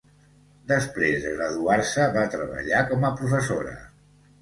Després de graduar-se, va treballar com a professora.